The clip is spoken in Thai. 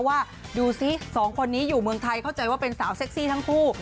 ว่าดูสิสองคนนี้อยู่เมืองไทยเข้าใจว่าเป็นสาวเซ็กซี่ทั้งคู่